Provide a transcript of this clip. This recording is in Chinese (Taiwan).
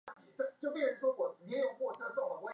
發動一個集體協商